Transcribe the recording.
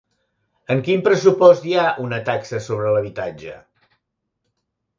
En quin pressupost hi ha una taxa sobre l'habitatge?